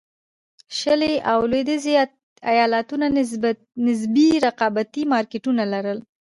شلي او لوېدیځو ایالتونو نسبي رقابتي مارکېټونه لرل.